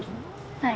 はい。